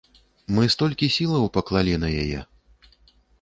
Мы столькі сілаў паклалі на яе.